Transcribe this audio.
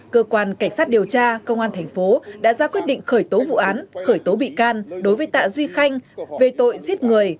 cơ quan cảnh sát điều tra công an thành phố đã ra quyết định khởi tố vụ án khởi tố bị can đối với tạ duy khanh về tội giết người